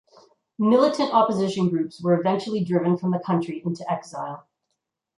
Militant opposition groups were eventually driven from the country into exile.